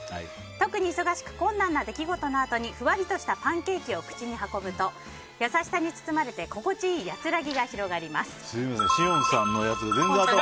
特に忙しく困難な出来事のあとにパンケーキを口に運ぶと優しさに包まれて心地いい安らぎが広がります。